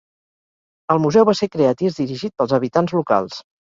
El museu va ser creat i és dirigit pels habitants locals.